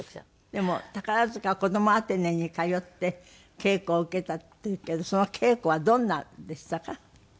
でも宝塚コドモアテネに通って稽古を受けたっていうけどその稽古はどんなでしたか？